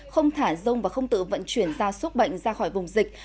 không thả rông và không tự vận chuyển ra xúc bệnh ra khỏi vùng dịch